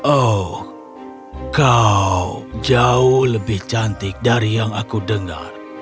oh kau jauh lebih cantik dari yang aku dengar